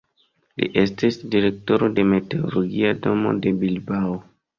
Li estis direktoro de meteologia domo de Bilbao.